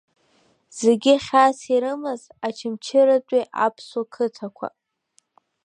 Зегьы хьаас ирымаз Очамчыратәи аԥсуа қыҭақәа…